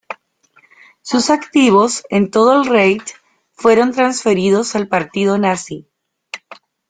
Sus activos en todo el "Reich" fueron transferidos al Partido Nazi.